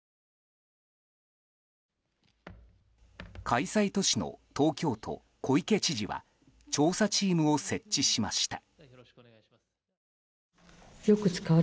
開催都市の東京都、小池知事は調査チームを設置しました。